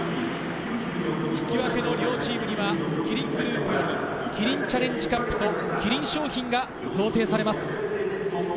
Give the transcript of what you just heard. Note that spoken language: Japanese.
引き分けの両チームにはキリングループよりキリンチャレンジカップとキリン商品が贈呈されます。